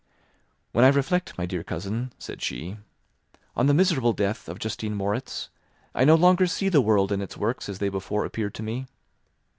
"When I reflect, my dear cousin," said she, "on the miserable death of Justine Moritz, I no longer see the world and its works as they before appeared to me.